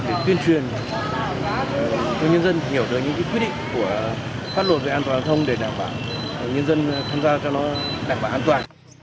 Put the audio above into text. để tuyên truyền cho nhân dân hiểu được những quyết định của pháp luật về an toàn giao thông để đảm bảo nhân dân tham gia cho nó đảm bảo an toàn